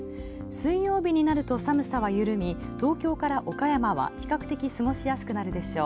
水曜日になると寒さは緩み、東京から岡山は比較的すごしやすくなるでしょう。